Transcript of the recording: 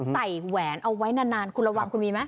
ใส่แหวนเอาไว้นานคุณระวังคุณมีมั้ย